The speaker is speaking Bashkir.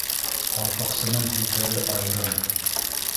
Ҡалпаҡсының һүҙҙәре айырым